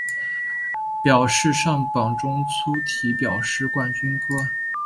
表示上榜中粗体表示冠军歌